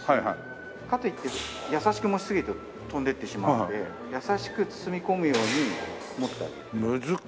かといって優しく持ちすぎると飛んでいってしまうので優しく包み込むように持ってあげる。